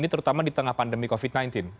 terutama di tengah pandemi covid sembilan belas